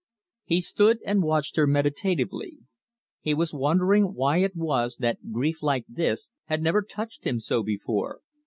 He stood and watched her meditatively. He was wondering why it was that grief like this had never touched him so before.